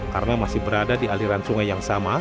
karena masih berada di aliran sungai yang sama